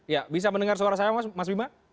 ya bisa mendengar suara saya mas bima